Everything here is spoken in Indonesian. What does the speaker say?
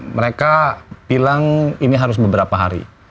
mereka bilang ini harus beberapa hari